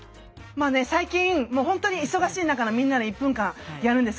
最近もうほんとに忙しい中のみんなの１分間やるんですけどね。